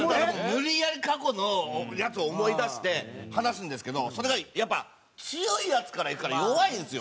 無理やり過去のやつを思い出して話すんですけどそれがやっぱり強いやつからいくから弱いんですよ。